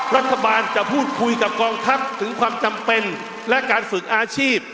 รัฐบาลจะพูดคุยกับกองทัพถึงความจำเป็นและการฝึกอาชีพ